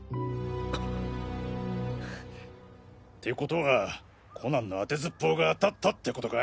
あっフフって事はコナンのあてずっぽうが当たったってことか？